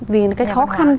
vì cái khó khăn